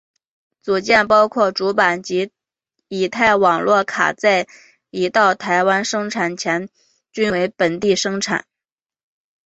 组件包括主板及乙太网络卡在移到台湾生产前均为本地生产。